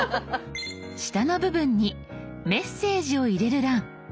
下の部分にメッセージを入れる欄。